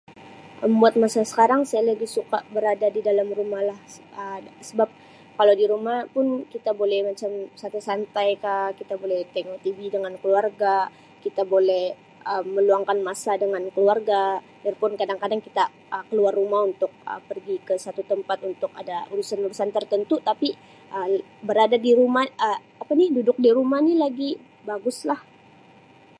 Um Buat masa sekarang saya lebih suka berada di dalam rumah lah seb Um sebab kalau di rumah pun kita boleh macam santai-santai kah kita boleh tengok TV dengan keluarga kita boleh Um meluangkan masa dengan keluarga biarpun kadang-kadang kita Um keluar rumah untuk Um pergi ke satu tempat untuk ada urusan-urusan tertentu tapi Um berada di rumah Um apa ni duduk di rumah ni lagi bagus lah.